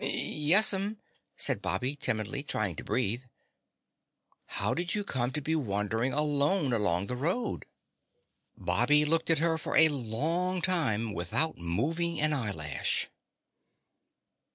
"Yes'm," said Bobby timidly, trying to breathe. "How did you come to be wandering alone along the road?" Bobby looked at her for a long time without moving an eyelash.